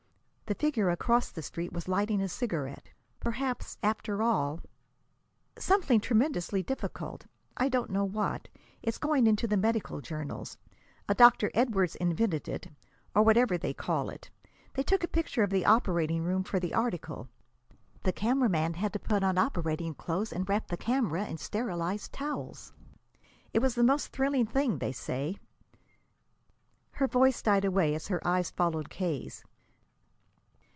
The figure across the Street was lighting a cigarette. Perhaps, after all "Something tremendously difficult I don't know what. It's going into the medical journals. A Dr. Edwardes invented it, or whatever they call it. They took a picture of the operating room for the article. The photographer had to put on operating clothes and wrap the camera in sterilized towels. It was the most thrilling thing, they say " Her voice died away as her eyes followed K.'s.